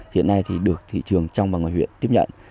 hiện nay thì được thị trường trong và ngoài huyện tiếp nhận